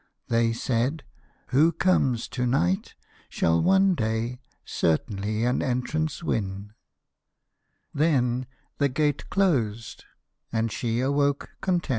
They said, "Who comes to night Shall one day certainly an entrance win;" Then the gate closed and she awoke content.